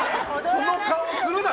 その顔するな！